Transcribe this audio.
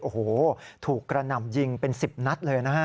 โอ้โหถูกกระหน่ำยิงเป็น๑๐นัดเลยนะฮะ